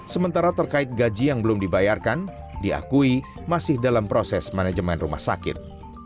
sementara terkait gaji yang belum dibayarkan diakui masih dalam proses manajemen rumah sakit